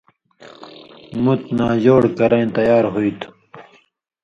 مُت ناجوڑ کرَیں تیار ہُوئ تُھو۔